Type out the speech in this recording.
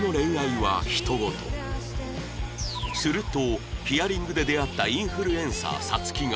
するとヒアリングで出会ったインフルエンサー皐月が